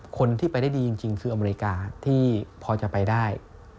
คนที่ไปได้ดีจริงคืออเมริกาที่พอจะไปได้